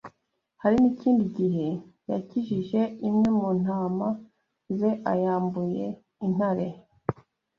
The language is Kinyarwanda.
Hari n’ikindi gihe yakijije imwe mu ntama ze ayambuye intare